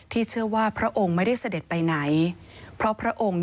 เชื่อว่าพระองค์ไม่ได้เสด็จไปไหนเพราะพระองค์